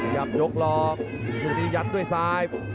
ย้ำยกรอบทุกครู่นี้ยัดด้วยซ้าย